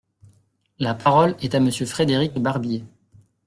La parole est à Monsieur Frédéric Barbier.